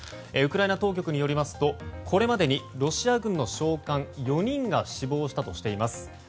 ウクライナ当局によりますとこれまでにロシア軍の将官４人が死亡したとしています。